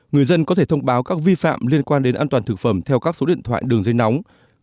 người dân có thể thông báo các vi phạm liên quan đến an toàn thực phẩm theo các số điện thoại đường dây nóng